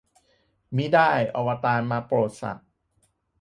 มิได้ อวตาร มาโปรดสัตว์